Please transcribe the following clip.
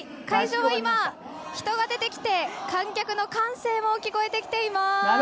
会場は今、人が出てきて観客の歓声も聞こえてきています。